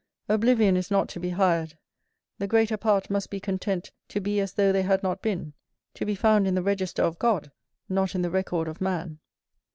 Oblivion is not to be hired. The greater part must be content to be as though they had not been, to be found in the register of God, not in the record of man.